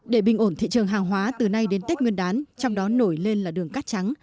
để bình ổn thị trường hàng hóa từ nay đến tết nguyên đán trong đó nổi lên là đường cát trắng